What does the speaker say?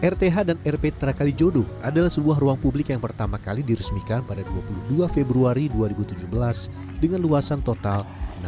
rth dan rp trakali jodoh adalah sebuah ruang publik yang pertama kali diresmikan pada dua puluh dua februari dua ribu tujuh belas dengan luasan total enam sembilan ratus lima puluh